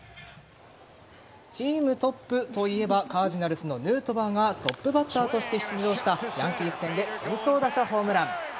チームトップといえばカージナルスのヌートバーがトップバッターとして出場したヤンキース戦で先頭打者ホームラン。